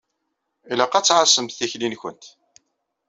Ilaq ad tɛassemt tikli-nkent.